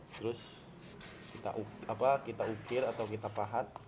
terus kita ukir atau kita pahat